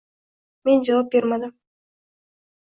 Men javob bermadim